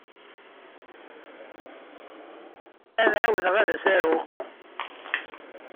Ad ɛawdeɣ ad as-aruɣ.